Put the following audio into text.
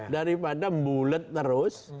daripada membulet terus